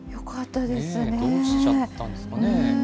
どうしちゃったんですかね。